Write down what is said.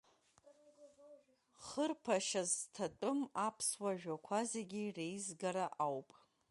Хырԥашьа зҭатәым аԥсуа жәақәа зегьы реизгара ауп.